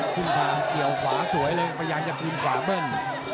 เกี่ยวขวาสวยเลยพยายามจะกินขวาเบิ้ล